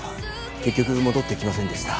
結局戻ってきませんでした